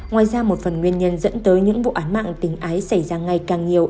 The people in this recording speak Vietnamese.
ngoài ra một phần nguyên nhân dẫn tới những vụ án mạng tình ái xảy ra ngày càng nhiều